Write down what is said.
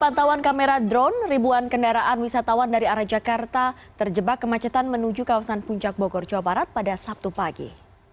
pantauan kamera drone ribuan kendaraan wisatawan dari arah jakarta terjebak kemacetan menuju kawasan puncak bogor jawa barat pada sabtu pagi